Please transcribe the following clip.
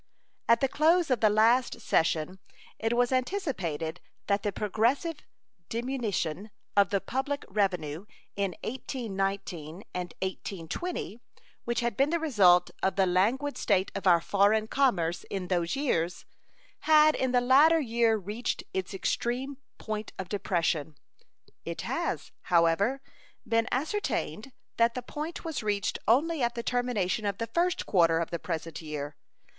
At the close of the last session it was anticipated that the progressive diminution of the public revenue in 1819 and 1820, which had been the result of the languid state of our foreign commerce in those years, had in the latter year reached its extreme point of depression. It has, however, been ascertained that that point was reached only at the termination of the first quarter of the present year.